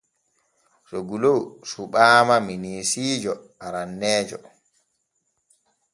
Soglo suɓaama minisiijo aranneejo.